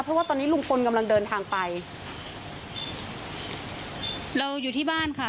เพราะว่าตอนนี้ลุงพลกำลังเดินทางไปเราอยู่ที่บ้านค่ะ